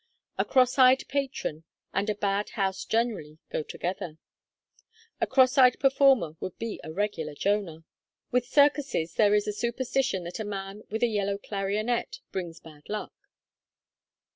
A cross eyed patron and a bad house generally go together. A cross eyed performer would be a regular Jonah. With circuses there is a superstition that a man with a yellow clarionet brings bad luck.'